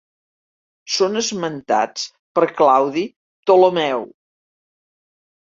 Són esmentats per Claudi Ptolemeu.